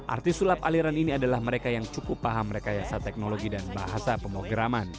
artis sulap aliran ini adalah mereka yang cukup paham rekayasa teknologi dan bahasa pemkograman